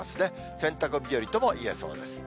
洗濯日和ともいえそうです。